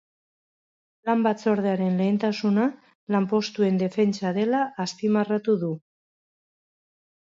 Lan batzordearen lehentasuna, lanpostuen defentsa dela azpimarratu du.